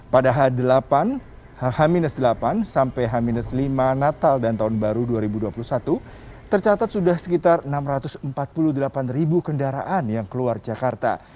pada h delapan sampai h lima natal dan tahun baru dua ribu dua puluh satu tercatat sudah sekitar enam ratus empat puluh delapan ribu kendaraan yang keluar jakarta